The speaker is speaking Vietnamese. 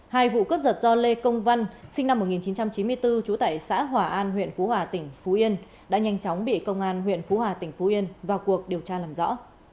hai vụ cấp giật do lê công văn sinh năm một nghìn chín trăm chín mươi bốn trú tại xã hòa an huyện phú hòa tỉnh phú yên đã nhanh chóng bị công an huyện phú hòa tỉnh phú yên vào cuộc điều tra làm rõ